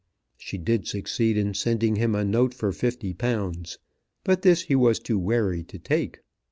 She did succeed in sending him a note for £50. But this he was too wary to take.